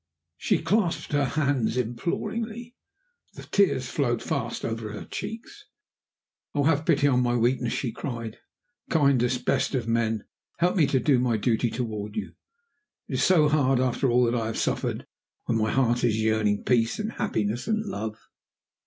She clasped her hands imploringly; the tears flowed fast over her cheeks. "Oh, have pity on my weakness!" she cried. "Kindest, best of men, help me to do my hard duty toward you! It is so hard, after all that I have suffered when my heart is yearning for peace and happiness and love!"